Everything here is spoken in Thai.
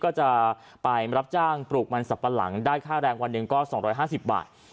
ก็จะไปรับจ้างปลูกมันสับปะหลังได้ค่าแรงวันหนึ่งก็๒๕๐บาท